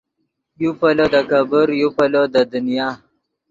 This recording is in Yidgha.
یو پیلو دے کېبر یو پیلو دے دنیا